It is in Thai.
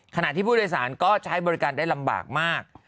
ขณะที่ผู้โดยสารก็ใช้บริการได้ลำบากมาก